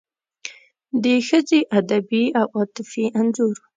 د ښځې ادبي او عاطفي انځور